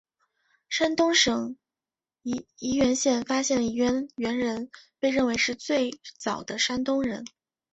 山东省沂源县发现的沂源猿人被认为是最早的山东人。